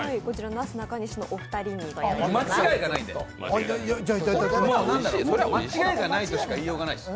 なすなかにしのお二人にご用意しています。